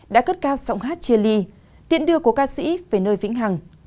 đã cất cao giọng hát chia ly tiễn đưa của ca sĩ về nơi vĩnh hằng